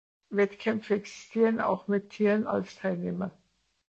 Wettkämpfe existieren auch mit Tieren als Teilnehmer.